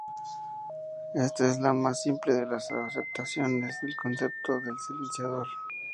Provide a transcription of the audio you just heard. Esta es la más simple de las acepciones del concepto del silenciador.